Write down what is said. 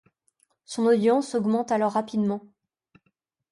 Son audience augmente alors rapidement.